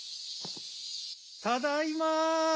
ただいま。